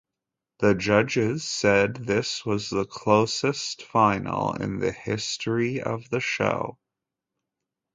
The judges said this was the closest final in the history of the show.